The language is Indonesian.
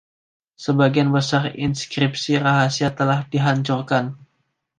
Sebagian besar inskripsi rahasia telah dihancurkan.